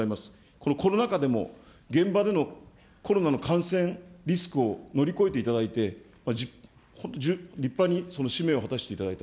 このコロナ禍でも、現場でのコロナの感染リスクを乗り越えていただいて、立派にその使命を果たしていただいた。